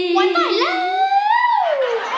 วันก่อนแล้ว